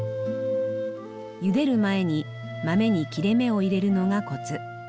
ゆでる前に豆に切れ目を入れるのがコツ。